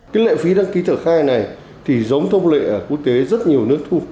cái lệ phí đăng ký tờ khai này thì giống thông lệ quốc tế rất nhiều nước thu